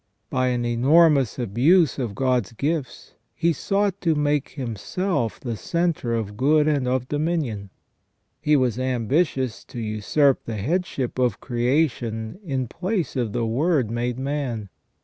By an enormous abuse 294 THE FALL OF MAN of God's gifts, he sought to make himself the centre of good and of dominion. He was ambitious to usurp the headship of creation in place of the Word made man.